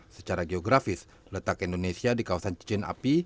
secara geografis letak indonesia di kawasan cincin api